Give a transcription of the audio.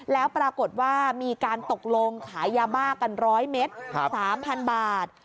แล้วปรากฏว่ามีการตกลงขายยาบ้ากัน๑๐๐เมตร๓๐๐๐บาท